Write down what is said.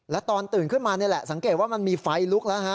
แล้วตอนตื่นขึ้นมานี่แหละสังเกตว่ามันมีไฟลุกแล้วฮะ